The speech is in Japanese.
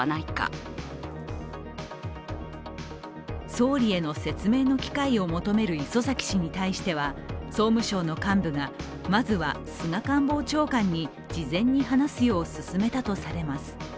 総理への説明の機会を求める磯崎氏に対しては総務省の幹部がまずは菅官房長官に事前に話すよう勧めたとされます。